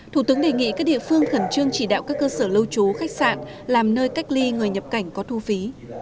thủ tướng đề nghị các địa phương khẩn trương chỉ đạo các cơ sở lưu trú khách sạn làm nơi cách ly người nhập cảnh có thu phí